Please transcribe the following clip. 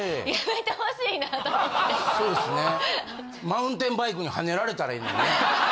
マウンテンバイクにはねられたらいいのにね。